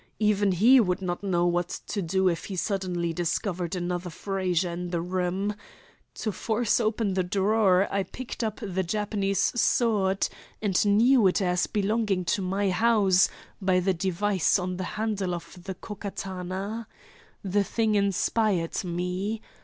Even he would not know what to do if he suddenly discovered another Frazer in the room. To force open the drawer I picked up the Japanese sword, and knew it as belonging to my house by the device on the handle of the Ko Katana. The thing inspired me.